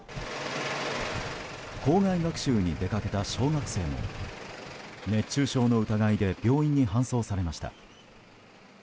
校外学習に出かけた小学生も熱中症の疑いで病院に搬送されました。